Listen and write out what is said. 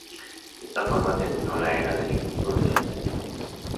De esta forma terminó la era del "equipo de los tenientes".